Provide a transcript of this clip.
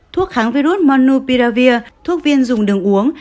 thuốc kháng virus monopiravir thuốc viên dùng đường uống